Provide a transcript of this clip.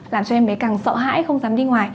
làm cho em bé càng sợ hãi không dám đi ngoài